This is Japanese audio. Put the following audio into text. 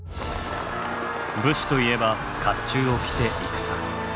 武士といえば甲冑を着て戦。